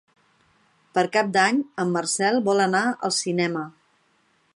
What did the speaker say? Per Cap d'Any en Marcel vol anar al cinema.